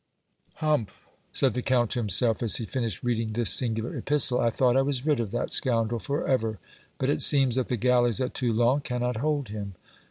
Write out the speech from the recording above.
"Humph!" said the Count to himself as he finished reading this singular epistle. "I thought I was rid of that scoundrel forever, but it seems that the galleys at Toulon cannot hold him.